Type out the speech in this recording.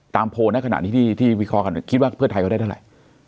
ตามโพลน่ะขนาดนี้ที่ที่วิเคราะห์กันคิดว่าเพื่อไทยเขาได้ได้อะไร